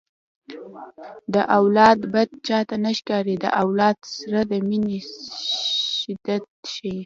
د اولاد بد چاته نه ښکاري د اولاد سره د مینې شدت ښيي